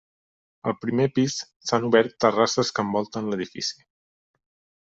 Al primer pis s'han obert terrasses que envolten l'edifici.